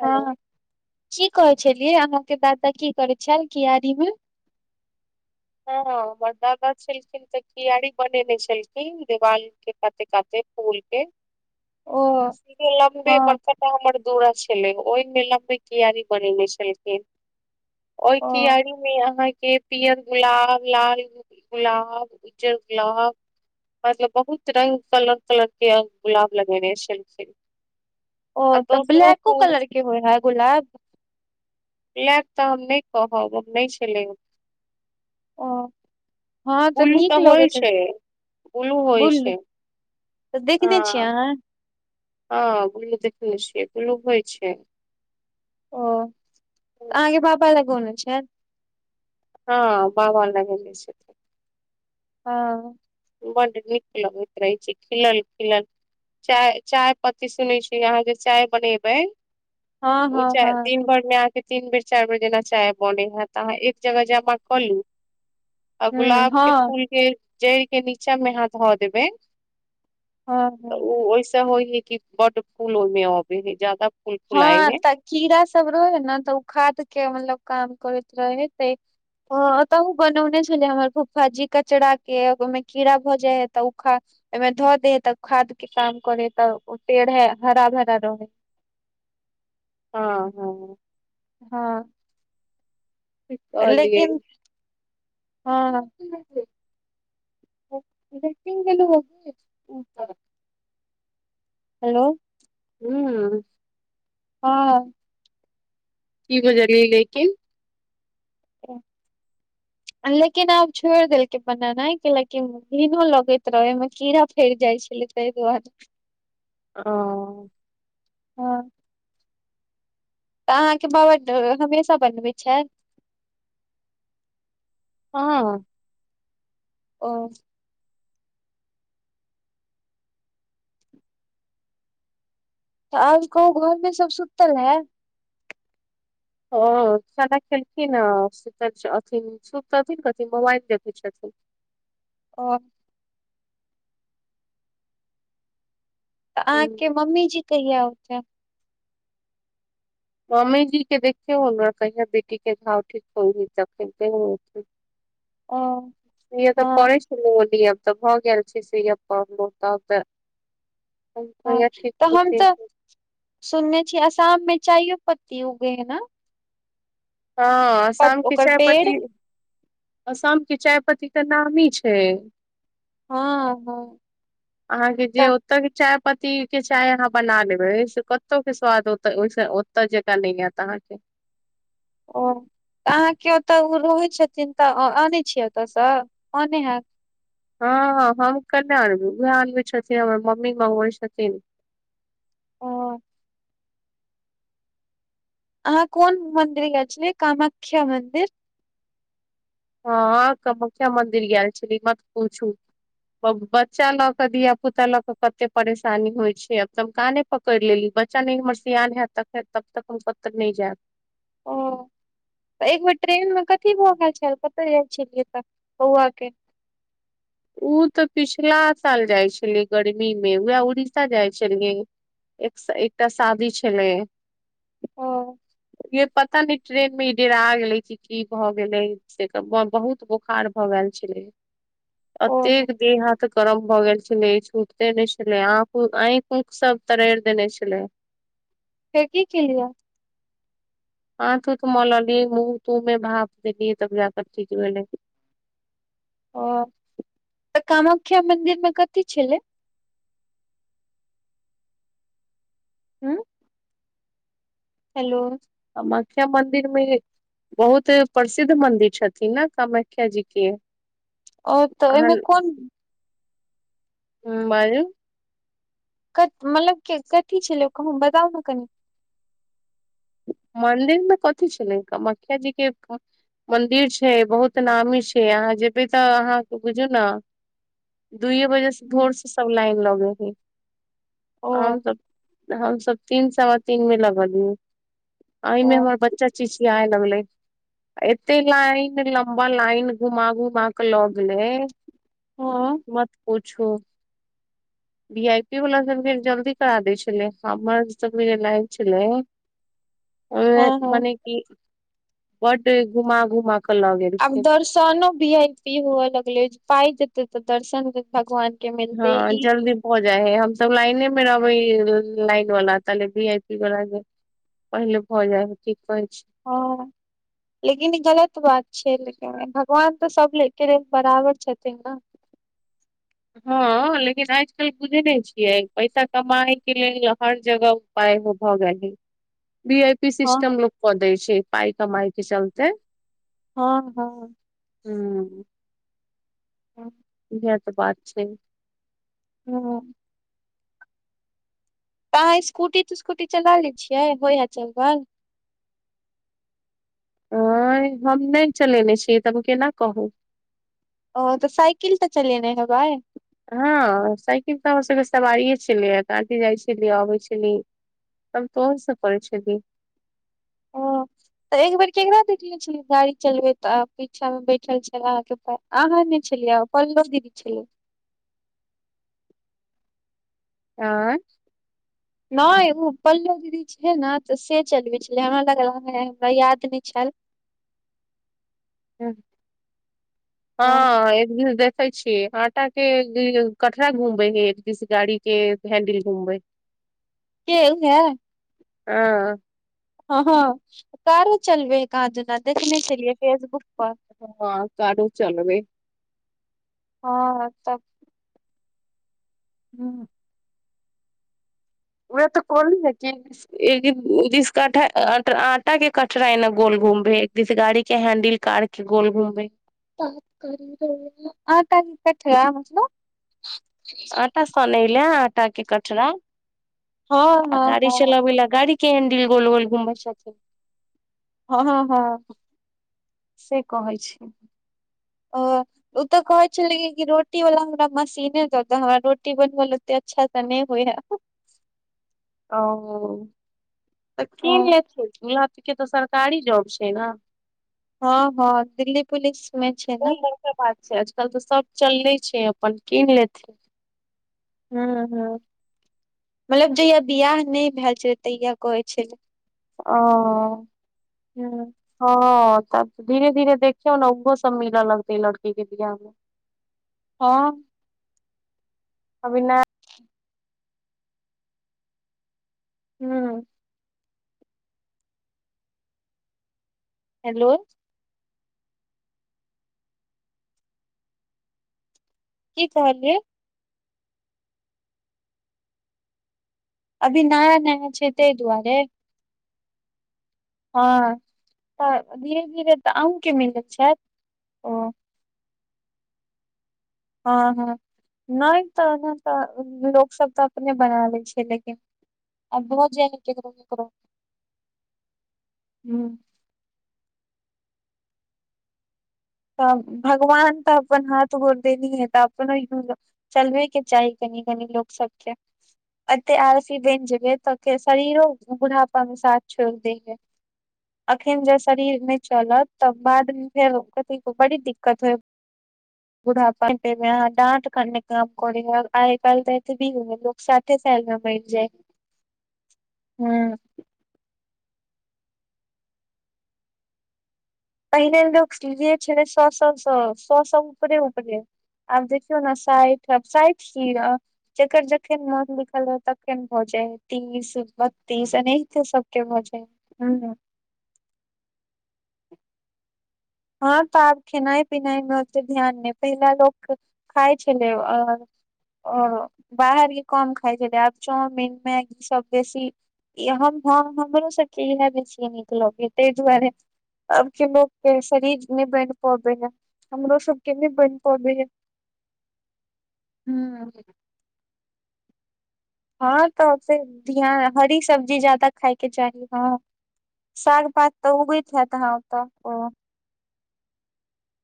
hello हँ की कहे छलियै अहाँंके दादा की करे छल कआरी मे हँ हमर दादा छलखिन तऽ कीयारी बनेने छलखिन देवाल काते काते फूल के ओ सीे लम्बे हँ [unintelligible] ब हमर दूरा छलै ओहि मेला मे क्यारी बनेने छलखिन ओहि ओ कियारी अहाँके पियर गुलाब लाल गुलाब उज्जर गुलाब मतलब बहुत रंग कलर कलर के गुलाब लगेने छले ओ तऽ ब्लैको कलर के होय है गुलाब ब्लैक तऽ हम नहि कहब हम नहि छलै ओ हँ तऽ ब्लू नीक होइ लगैत ह छै होइ छै ब्लू तऽ देखने छियै हँ अहाँ हँ देखने छ गलो होइ छै ओ अहाँके पापा लग बोन छैल हँ बाबा लगेने छै हँ बड निक लगैत रहै छै खिलल खिलल चाय चाय पत्ती सुनै छी अहाँ जे चाय बनेबै हँ ऊ हँ छै हँ दिन भरि मे आके तीन बेर चारि बेर जेना चाय बनै है तऽ अहाँ एक जगह जमा कऽ लू आ ह हँ गुलाबके हँ फूलके जड़िके नीचाँमे अहाँ धऽ देबै तऽ हँ ओ ओहिस होइ है कि बड फूल ओहिमे अबे है जाद हँ तऽ कीड़ा सब रहै ह ने तऽ ओ खाद के मतलब काम करैत रहै ते ह तऽ ओ बनौने छलै हमर फूफा जी कचड़ा के ओहिमे कीड़ा भऽ जाइ है तऽ ओ खा ओहिमे धऽ दे है तऽ खाद के काम करे है तऽ ओ पेड़ है हरा भरा रहेै हँ हँ हँ ठीक कहलियै लेकिन हँ रेटिंगल ह [unintelligible] हेलो हू हँ ई बजल गेलैके ओ लेकिन आब छोड़ि देलकै बनेनाइ कैलाकि भिनो लगैत रहे ओं कीड़ा फैर जाय छले [unintelligible] ओ हँ तऽ अहाँके बाबा हमेशा बनबैत छै हँ ओ तऽ औब कहू घर मे सब सुतल है ओ खाना खेलखिन है अथि कथिन मोबाइल देखै छथिन ओ तऽ ह अहाँके मम्मी जी कहिया होते मम्मी जी के देखियौ कहिया बेटी के घाव ठीक हो ह ते ओ इए तऽ हँ परै ली अब तऽ भऽ गेल छै सेयब कल तब तऽ हँ कहिया ठीक तऽ हम होतै तऽ सुनने छियै आसाम मे चाइयो पत्ती उगे है ने हँ असामके ओकर पेड़ चायपती आसाम के चाय पत्ती तऽ नामी छै हँ हँ अहाँके जे तऽ ओतय के चाय पत्त के चाय अहाँ बना लेबै से कतौ के स्वादहि ओतय जकाँ नहि आयत अहाँके ओ तऽ अहाँके ओतऽ ओ रहै छथिन तऽ आनै छियै ओतयसँ अने हैत हँ हम कने आनब उएह आनबी छथिन हमर मम्मी मंगबै छथिन ओ अहाँ कोन मंदिर गेल छै कामाख्या मंन्दिर हँ कामख्या मन्दिर गेल छल ई तऽ पूछू बच्चा ल के धिया पुता ल के कते परेशानी होइ छै अबदम कान पक करि लेली बच्चा न हमर स यान ह तक है तब तक हम कब तक नहि जायब ओ तऽ एक बेेर ट्रेन मे कथी भोख छल कतय जाइ छलियै तऽ बौआ के ओ तऽ पिछला साल जाइ छलियै गर्मी मे उएह उड़ीसा जाइ छलियै एक एकटा शादी छलै ओ ये पता न ट्रेन मे इधेर आ गेले की भऽ गेले से बहुत बोखार भऽ गेल छलै ओ अतेक देह हाथ गरम भऽ गेल छलै छूत देने छलै आँख आँख ऊख सब तरारि देने छलै फेर की केलियए हाथो त मललियै मुँह तू मे भाप देलियै तब जाक ठीक भेलै ओ तऽ कामख्या मंन्दिर मे कथी छलै उंम्म हेलो कमाख्या मन्दिर मे बहुत प्रसिद्ध मंदिर छथिन ने कामाख्या जी के ओ तऽ अहाँ ओहिमे कोन हूंम्म बाजू मतलब कथी छलै कह बताउ ने कनि मन्दिर मे कथी छलै कामख्य जी के मंन्दिर छै बहुत नामी छै अहाँ जेबै तऽ अहाँके बुझू ने दुइए बजे से भोर से सब लाइन लगे हय ओ हमसब हमसब तीन सवा तीन मे लगलियै ओ आइमे हमर बच्चा चिचियाय लगलै एते लाइन लम्बा लाइन घुमा घुमा क लऽगेलै हँ मत पूछू भी आई पी वाला सबके जल्दी करा दै छलै हमर सब के जे लायन छलै ओ हँ हँ मने की बड घुमा घुमा के लऽ आब गेलखिन दर्शनो भी आइ पी हुवऽ लगलै पा जेते तऽ दर्शन भगवान के मिलते हँ ई जल्दी हो जाइ है हमसब लाइने मे रहबै लाइन वला ताले भी आई पी वाला जे पहिले भऽ जाइ ह की कहै छी हं लेकिन ई गलत बात छैे लेकिन भगवान तऽ सब के लेल बराबर छथिन ने हँ लेकिन आइज कालि बुझै नहि छियै पैसा कमायके लेल हर जगह पाय हो [unintelligible] जाय भी आइ ई हँ सिस्टम लोक कऽ दै छै पाइ कमाई के चलते हँ हँ हूं ह इह तऽ बात छै हूॅं तऽ अहाँ स्कूटी तुस्कूटी चला लै छियै होय हे चलबल आंई हम नहि चलेने छियै तऽ हम केना कहू ओ तऽ साइकिल तऽ चलेने हेबै हँ साइकिल तऽ हमर सबके सवारिये छलैया त आटी जाइ छलियै अबै छलिय तब को [unintelligible] नसँ पढ़ी ह तऽ एक बेर केकरा देखले छलियै गाड़ी चलबे त आ पीछा मे बैठल छै अहाँके प आहा नहि छलिआ पल्लो दीदी छलै आँ नहि ओ पल्लव दीदी छै ने तऽ से चलबै छलै हमरा लगल हमरा याद नहि छेल हँ हँ एक द [unintelligible] स देख देखै छिय आटा के कठरा घूमबै है किस गाड़ी के हैंडिल घूमबै के एलै आ हँ हँ कारो चलबै है कहाँ दूना देखने छलियै फेसबुक पर हँ कारो चलबै हँ त हँ उहे तऽ कोलू हे कि एक जिस काठा आटा के कटरा ए ने गोल गोल घूमबै है एक जिस गाड़ी के हैंडिल कार गोल घूमबै है आटा के कठरा मतलब आटा सनै लेऽ आटा के कटरा हँ आ हँ गाड़ी हँ चलाबै ल गाड़ी के हैंडिल गोल गोल घुमबै छथीन हँ हँ हँ से कहै छी ओ ओ तऽ कहे छलै रोटी वाला हमरा मशीने दऽ हमरा रोटी बनब ले अच्छा तऽ नहि होइ ह ओ तऽ कीन हँ लेथि इहे त के तऽ सरकारी जॉब छै ने हँ हँ दिल्ली पुलिसमे छै ने कोन बड़का बात छै आजकल तऽ सब चलले छै अपन कीन लेथिन हूंम्म हूंम्म मतलब जहिया बियाह नहि भेल छल तहिया कहै छल ओ हूँ हँ तब धीरे धीरे देखियौ ने ओहो सब मिलऽ लगतै लड़की के बियाह मे हँ अभी नया हूंम्म हेलो की कहलियै अभी नया नया छै ताहि दुआरे हँ तऽ धीरे धीरे तऽ अहँके मिलैत छथि ओ हँ हँ नहि तऽ तऽ लोक सब तऽ अपने बना लै छै लेकिन आब बहुत जाय हे केकरो केकरो हँ तऽ भगवान तऽ अपनन हाथ घोड़ देनी है तऽ अपन चलबे के चाही कनी कनी लोक सबके अ आरसी बन जेबै तऽ शरीरो बुढ़ापा मे साथ छोड़ि देयै अखन ज शरीर नहि चलत तऽ बाद मे फेर देखबै बड़ी दिक्कत होइ बूढ़ापा मे यहाँ डाँटने काम करे है आइ काल्हि तऽ एते भी हु ह लो साठे साल मे मरि जाइ हँ पहिने लोक लिए छल सौ सौ सौ सौ से ऊपरे उपरे आब देखियौ ने साठि आब साठि कीर अ जकर जखन मन लिखल है तखन भऽ जाय है तीस बत्तीस एनाहिते सबके भऽ जाइ है हूंम्म हँ तऽ आब खेनाइ पीनाइ मे ओते ध्यान नहि पहिला लोक खाय छेलै आब ओ बाहरके कम खाइ छलै आब चाउमिन मैगी सब बेसी ई हम हमरो सबके इह ने छियै नीक लगे ताहि दुआरे अब के लोकके शरीर नहि बन पबे है हमरो सब के नहि बन पबे है हूँ हँ तऽ फ धान हरी सब्जी जादा खायके चाही हँ शाग पात तऽ उगैत हेत तऽ ओ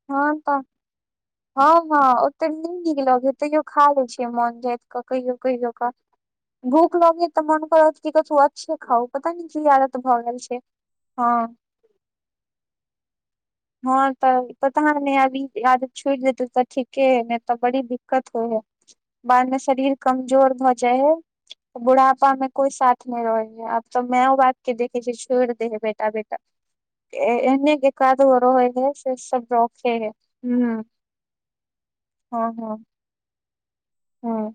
हँ तऽ हँ हँ ओतेक नै नीक लगै हय तैयो खा लै छियै मोन जाति कऽ कहियो कहियो कऽ भूख लगे तऽ मन करत क करत तू अच्छे खाउ पता नै की आदत भऽ गेल छै हँ हँ तऽ पता नहि अभ आ छूट देतै तऽ ठीके है ने तऽ बड़ी दिक्कत होइ है बाद मे शरीर कमजोर भऽ जाइ है बुढ़ापा मे कोइ साथ नहि रहै है आब तऽ मैय बातके देखे छै छोड़ दे है बेटा बेटा एहने बेकार दर होइ है से सब रखे ह हँ हँ हँ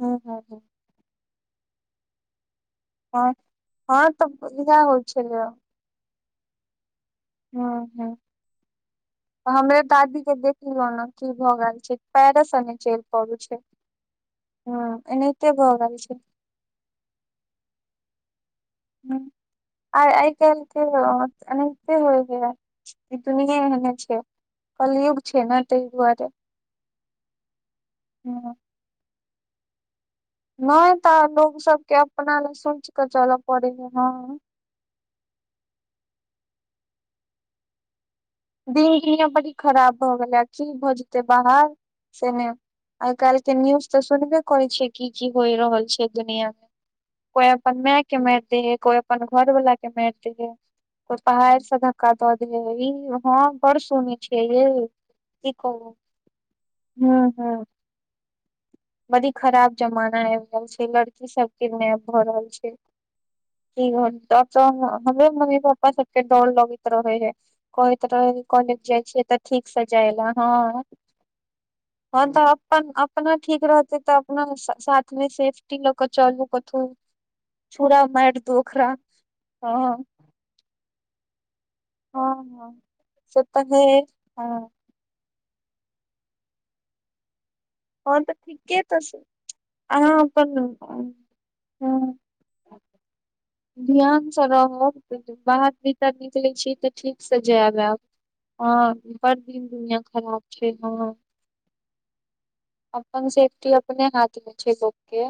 हू हँ हँ हँ हँ तऽ इा होइ छै हँ हँ हमरे दादी के देखलौ ने की भऽ गेल छै पैरसने चलि पड़ू छै हँ एनाहिते भोगेल छै हूंम्म आ आइ काल्हिके ह एनाहिते होइ गेल ई दुनियें हने छै कलयुग छै ने तै दुआरे हूंम्म नहि तऽ लोग सबके अपना लए सोच क चलय पड़े है हँ दिन दिनियाँ बड़ी खराब भऽ गेलै की भऽ जेते बाहर सेमे आइ काल्हि के न्यूज तऽ सुनबे करै छियै की की होइ रहल छै दुनियाँ मे कोइ अपन माय के मारि द हे कोइ अपन घर वला के मारि दै है को पाहरसँ धक दऽ दे हँ बड़ सुने छियै ये की कहु हूंम्म हूंम्म बड़ी खराब जमाना आबि रहल छै लड़की सब किडनैप भऽ रहल छै कि डॉट हमरे मम्मी पपा सबके डर लगैत रहे है कह तरह कॉलेज जाइ छियै तऽ ठीकसँ जाइ लए हँ तहन तऽ अपन अपना ठीक रहतै तऽ अपना साथमे सेफ्टी लऽ कऽ चलू कथु चूड़ मारि दु ओकरा हँ हँ हँ से तऽ हे हँ हँ तऽ ठीके तऽ अहाँ अपन हँ [inaudible] ध्यानसँ रहब बाहर भीतर निकलै छी तऽ ठीकसँ जायब ऐब हँ बड़ दिन दुनियाँ खराब छै हँ अपन सेफ्टी अपने हाथ मे छै लोकके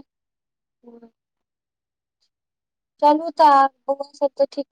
चलू तऽ ओ सब तऽ ठीक